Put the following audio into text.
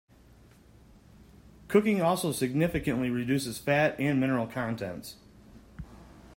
Cooking also significantly reduces fat and mineral contents.